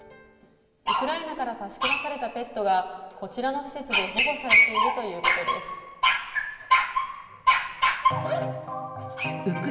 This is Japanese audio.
ウクライナから助け出されたペットが、こちらの施設で保護されているということです。